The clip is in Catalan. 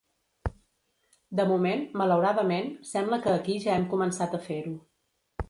De moment, malauradament, sembla que aquí ja hem començat a fer-ho.